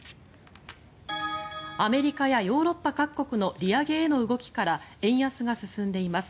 アメリカやヨーロッパ各国の利上げへの動きから円安が進んでいます。